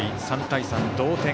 ３対３、同点。